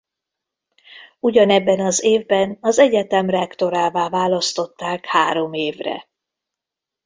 Ugyanebben az évben az egyetem rektorává választották három évre.